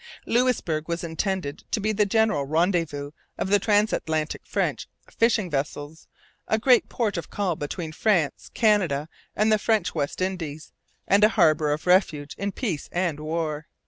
Louisbourg was intended to be the general rendezvous of the transatlantic French fishing vessels; a great port of call between France, Canada, and the French West Indies; and a harbour of refuge in peace and war.